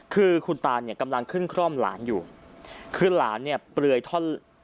คือคุณตาเนี่ยกำลังขึ้นคร่อมหลานอยู่คือหลานเนี่ยเปลือยท่อน